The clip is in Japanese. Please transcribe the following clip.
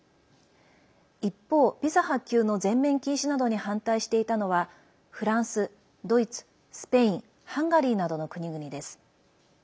一方、ビザ発給の全面禁止などに反対していたのはフランス、ドイツ、スペインハンガリーなどの国々です。